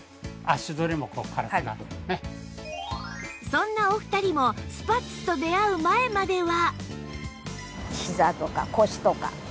そんなお二人もスパッツと出会う前までは